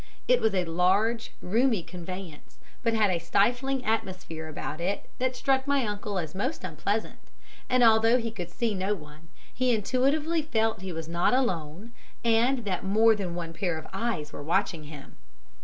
It was a large, roomy conveyance, but had a stifling atmosphere about it that struck my uncle as most unpleasant; and although he could see no one, he intuitively felt he was not alone, and that more than one pair of eyes were watching him.